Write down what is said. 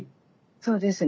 そうですね。